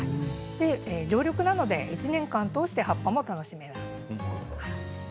常緑なので１年間通して葉っぱも楽しめます。